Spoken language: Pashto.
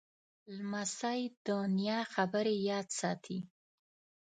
لمسی د نیا خبرې یاد ساتي.